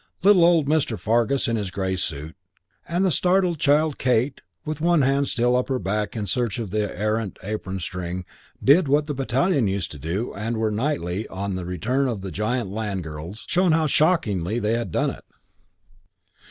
Little old Mr. Fargus in his grey suit, and the startled child Kate with one hand still up her back in search of the errant apron string "did" what the battalion used to do and were nightly, on the return of the giant land girls, shown how shockingly they had done it.